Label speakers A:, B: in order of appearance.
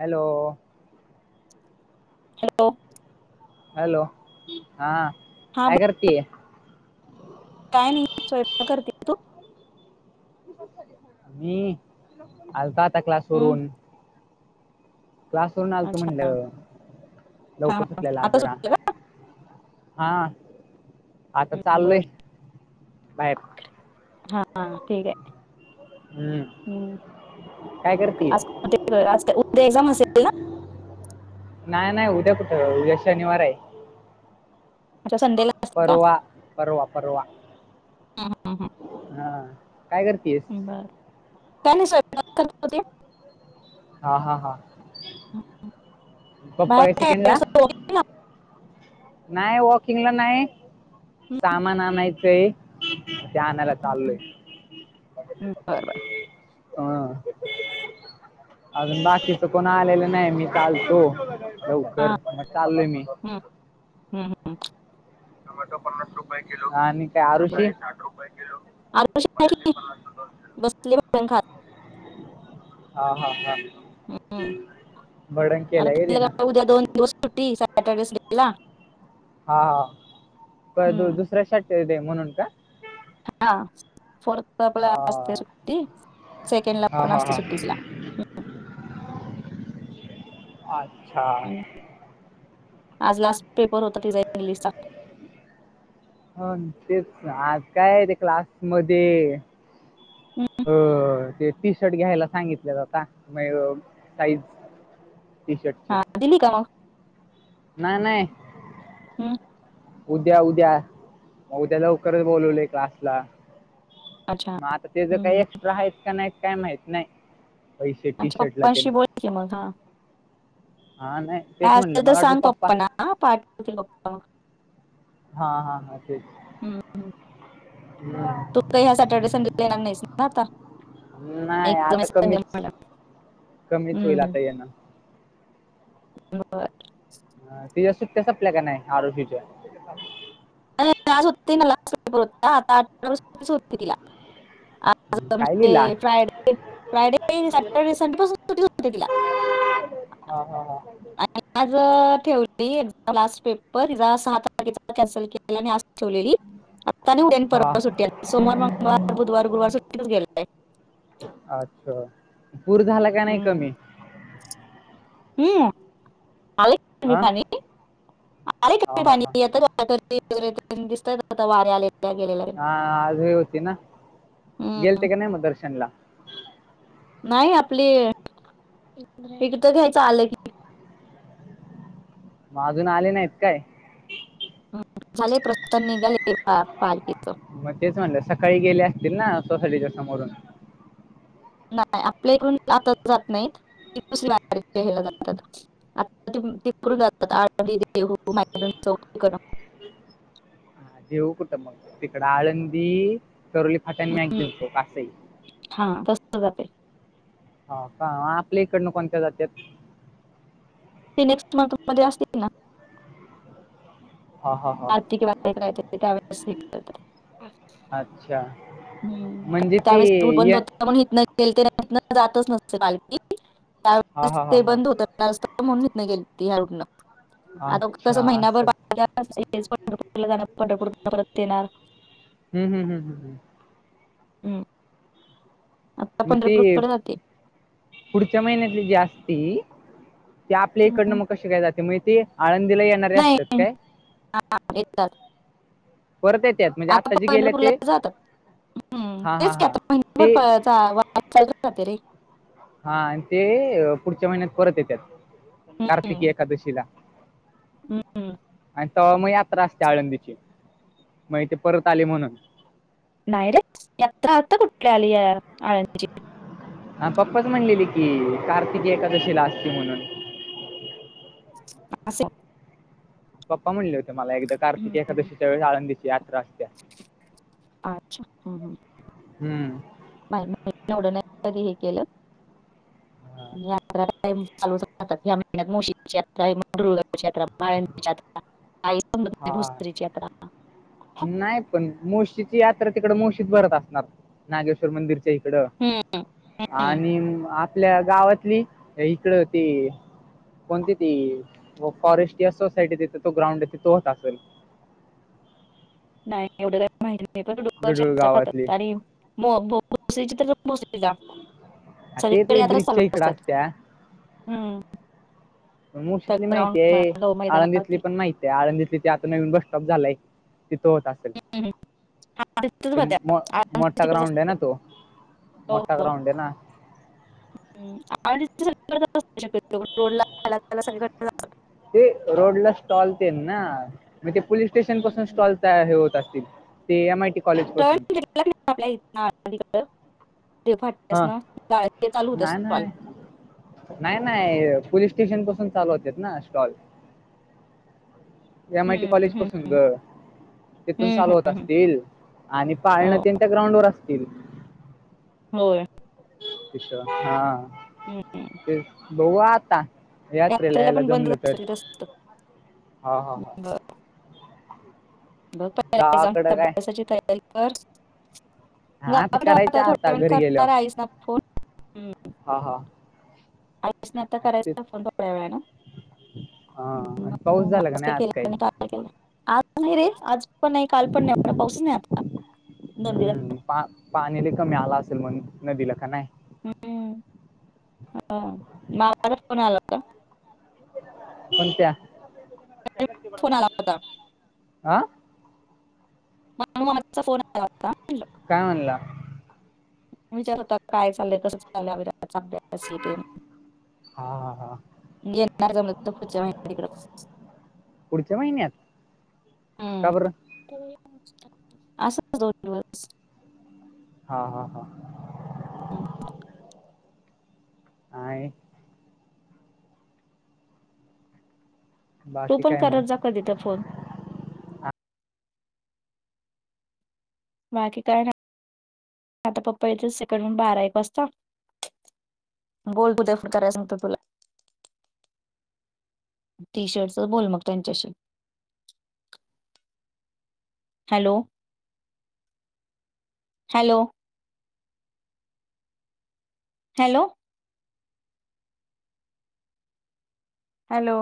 A: Hello
B: hello
A: hello हा
B: हा ब-
A: काय करतेये
B: काय नाही स्वयंपा करते तू
A: मी आलता आता क्लास
B: हम्म
A: वरून क्लास वून आलत
B: अच्छा
A: म्हणलं
B: हा हा
A: लवकरच आपल्याला
B: आता
A: जरा
B: सुटलं का
A: हा आता
B: हं,
A: चाललय
B: बर
A: बायर
B: हा ठीक आहे
A: हम्म
B: हम्
A: काय करते
B: ते अस उ्या एक्झाम असेल ना
A: नाही नाही उद्या कुठं उद्या शनिवार आहे
B: अा संडे
A: परवा परवा परवा
B: हां हां हां हां
A: हा काय करतेयस
B: बर का नाही स्वयप होते
A: हा हा हा
B: हम्म.
A: पप्पा
B: बाहेर
A: का सेकंड
B: काय
A: ला
B: असं ला?
A: नाही वॉकिंगला नाही
B: हम्म,
A: सामान आणायचंय ते आणायला
B: हम्म,
A: चाललय
B: बर बर
A: ह अजून
B: ठीक आहे.
A: बाकीच कोणा आलेलं नाही मी चालतो
B: हा
A: लवकर मग चाललय मी
B: हम्म, हम्म, हम्म.
A: प्ना टुपया किो घा
B: आ कि बसले ख
A: हा हा हा
B: हम्म.
A: बडण केल्या ग त ना
B: दोज सुट्टी सॅटरडेस गेला
A: हा पर द
B: हम्म
A: दुसऱ्या शट दे म्हणून का
B: हा फोर्थ ला पला असते
A: हा
B: सुट्टी सेकेंड ला
A: हा
B: पण
A: हा
B: असते
A: हा.
B: सुट्टीला
A: अच्छा
B: आणि आज लास्ट पेपर होता तिचा इंग्लिशचा
A: ह तेच आज काय आहे ते क्लास मध्ये
B: हम्म.
A: हो ते टी शर्ट घ्यायला सांगितले जात म साईज टी शर्टची
B: हा दिली का ना
A: नाही नाही.
B: हां.
A: उद्या उद्या मग उद्या लवकरच बोलवले क्लासला.
B: अच्छा
A: मग आता तेच काही
B: हम्म.
A: एक्स्ट्रा आहेत का नाही काही माहित नाही. पैसे टी
B: अच्छा
A: शर्टला तेन
B: पप्पांशी बोल की मग हा
A: हा नाही. तेच
B: काय
A: म्हणलं
B: असल तर
A: मला वाटलं
B: सांग पप्पा ना. पाठवतील पप्पां मं.
A: हा हा हा तेच
B: हम्म. हम्म.
A: हम्.
B: तू काही ह्या सॅटर्डे संडेला येणार नाहीस ना आता?
A: नाही
B: एकदम
A: आता कमीच
B: संडेला.
A: कमीच होईल आता यना
B: ह.
A: तिच्या सुट्ट्या संपल्या का नाही? आरोहीच्या.
B: होते हो आताठरा हो तिला
A: हम्म, काय लिहिला
B: फ्रायडे फ्रायडे सॅटर्डे संडे पासून सुटीऊ तिला
A: हा हा हा
B: आणि आज ठेवली लास्ट पेपर हिचा सहा तारखेचा कॅन्सल के मुलाने आज ठेवलेली. आत्तानाही नंतर
A: हा
B: सुट्टी आल्यावर सोमवार, मंगळवार, बुधवार गुरवार सुट्टीच गेले आहे.
A: अच्छा. पूर झाला का नाही कमी?
B: हम हाय
A: हा
B: [unintelligible] पाणी [unintelligible]
A: हा हा हा
B: काहीतरी [unintelligible] दिसत आता वारी आली.
A: हा आजही होती ना?
B: हम्म.
A: गेलते का नाही मग दर्शनला?
B: नाही आपली एकटं घ्यायचं आलं की.
A: मग अजून आले नाहीत काय?
B: झाले प्रस्थन निघाले पालखीच.
A: मग तेच म्हणलं सकाळी गेले असतील ना? सोसाटच्या समोरून.
B: नाही आपल्या इकडून जातच जात नाहीत दुसरी जातात. आपल्याकडून तिकडून जातात आळंदी, देहू, [unintelligible] चौक तिकडून.
A: हा देऊ कुठं मग? तिकड आळंदी, सवली फाट्यानी मॅक
B: हम्म,
A: घऊचो असते ते.
B: हा तस जाते.
A: हो का? आपल्या इकडनं कोणत्या जातात?
B: ते नेक्स्ट मंथ मध्ये असतील ना.
A: हा हा हा
B: रात किंवा ते कराय त्यावेळेस अच्छा.
A: अच्छा
B: हम्म
A: म्हणजे ते
B: त्यावेळे पूल बंद
A: य
B: होत. जातच नसते पालखी
A: हा
B: त्यावेळे
A: हा हा
B: ते
A: हा
B: बंद होतात ना. त्यावेळेस ते म्हणून हितं गेली या रोडनं. आता कस
A: अच्छा
B: महिनाभर
A: असं
B: पंढरपूर जाण पंढरपूर परत येणार.
A: हम् हम हम हम हम.
B: हम.
A: मग ती पुढच्या महिन्यात जी असती. ते आपल्या
B: हम्म.
A: इकडनं मग कसे काय जाते? म्हगजे ते आळंदीला येणारे असतात काय?
B: हा येतात.
A: परत येतात म्हणजे
B: आता
A: आत्ता जे गेले
B: पंढरपूरला
A: ते
B: जातात हम्म
A: हा हा
B: तेच
A: हा
B: आता
A: ते
B: महिभर अरे चालत जाता रे.
A: हा आणि ते पुढच्या महिन्यात परत येतात्य कार्तिके
B: हम्म
A: एकादशीला.
B: हम्म.
A: तवा मग याात्रा असते आळंदीची. म्हणजे ते परत आली म्हणून.
B: नाही रे यात्रा आता कुठली आली यारआळंदीची?
A: हा पप्पाच म्हणलेली की कार्तिक एकादशीला असते म्हणून.
B: आसे
A: पप्पा म्हणले होते मला एकदा कार्तिक
B: हम्म.
A: एकादशीच्या वेळ आळंदीची यात्रा असते.
B: अच्छा्ढ
A: हम्म.
B: नाही कधी हे केलं.
A: हा.
B: यात्रा काम चालू राात ह्या महिन्यात मुशीची यात्रा मुगाची यात्रा बाळची यात्रा आई पण
A: हा
B: बोसरीची यात्रा.
A: नाही पण मुशीची यात्रा तिकड मुशीत भरत असणार नागेश्वर मंदिरच्या इकडं.
B: हम्म. हम्म.
A: आणिन कोणती ती फॉरेस्ट सोसायटीे तो ग्रांड तो होता दाखवेल
B: नाही एवढं काही माती नाही
A: डुडुळ
B: पणस् खात
A: गावातली
B: आणि म ब चैत्र अमावास्या ला
A: हा, ते
B: सगळीकडे
A: ते
B: यात्रा चालू
A: ब्रिजच्या इकडं
B: असतात
A: असत्या
B: हम्म. त्या
A: मुर्शीतली
B: ग्राउंड
A: माहिती आहे
B: मध्ये
A: आळंदीतली
B: मैदानावरती.
A: पण नाय ते आळंदीत तिथे आता नवीन बस स्टॉप झालाय तिथं होत असेल.
B: तिथेच
A: ते
B: भरत्या आळंदी
A: मोठा
B: तिकडेच
A: ग्राउंड आहे ना
B: असत्या.
A: तो. मोठा ग्राउंड आहे ना.
B: अडीच हजार असे न त्याला सगळ्या
A: ते रोड ला स्टॉल ते ना? म ते पोलीस स्टेशन पासून
B: हम्म.
A: स्टॉल तया हे होत असतील ते एम आय टी कॉलेज पासून.
B: टर्न आपल्या इथड फाट
A: हा
B: चालू होत असल.
A: नाय नाय पोलीस स्टेशन पासून चालू होते ना स्टॉल. एम आय टी
B: हम्म.
A: कॉलेज
B: हम्म.
A: पासून ग तेथून
B: हम्म.
A: चालू होत
B: हम्म. हम्म.
A: असतील. आणि पाळणं त्यांच्या ग्राउंड वर असतील.
B: होय.
A: इष्ट्रा हा
B: ह ह.
A: ते बऊ आता यात्रेला यायला जमलं तर.
B: सस्
A: हा हा हा
B: बघ प
A: गावाकडं
B: एक्झामच्या
A: काय
B: अभ्यासाची तयारी कर.
A: हा आता
B: गावाकडे
A: करायचं
B: आहता
A: आता
B: थोड्याेण
A: घरी गेलो
B: करणार आहेस ना फोन.
A: हा हा.
B: आईच नाही आता
A: आणि ते
B: करायचा फन थोड्या वेळाला.
A: हा आणि पाऊस झाला का नाही
B: काय
A: आज काही.
B: केलं आणि आज नाही रे आज पण नाही काल पण नाही एवढा पाऊसच नाही आता दोन दिवस.
A: हम्म पा पाणी कमी आला असेल मग नदीला का नाही.
B: हम्म ह मावला फोन आला का.
A: कोणत्या
B: फोन आला होता
A: हा आ
B: माणू मामाचा आजचा फोन आला होता म्हणलं,
A: काय म्हणला.
B: विचार होता काय चालय कसं चाललंचा अभिरायाचा अभ्यास हे ते.
A: हा हा हा
B: येणार जमल तर पुढच्या वेळेस तिकडच.
A: पुढच्या महिन्यात का बरं.
B: ते मोजतात मग असा [unintelligible]
A: हा हा हा.
B: हम्म.
A: आई.
B: तू
A: बाकी
B: पण
A: काय
B: करत जा
A: मग
B: कधी तर फोन. बाकी काय नाय, आता पप्पा येतील सेकन्ड हुन बारा एक वाजता. बोल [inaudible] कराय सागंतो तुला. टी- शर्टसच बोल मग त्यांच्याशी. Hello- hello- hello- hello-